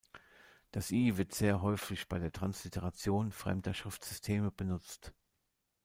Das Ī wird sehr häufig bei der Transliteration fremder Schriftsysteme benutzt.